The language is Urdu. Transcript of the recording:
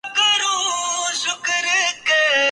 پاکستانی ٹک ٹاکر